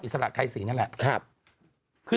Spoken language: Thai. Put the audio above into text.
อิสระไข้๔นั่นและ